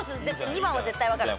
２番は絶対分かる。